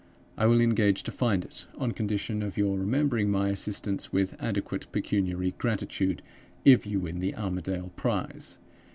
I will engage to find it, on condition of your remembering my assistance with adequate pecuniary gratitude if you win the Armadale prize.